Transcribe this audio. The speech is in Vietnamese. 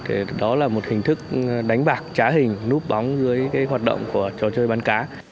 thì đó là một hình thức đánh bạc trá hình núp bóng dưới cái hoạt động của trò chơi bán cá